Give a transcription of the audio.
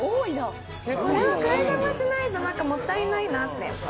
これは替え玉しないと、もったいないなって。